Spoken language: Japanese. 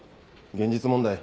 現実問題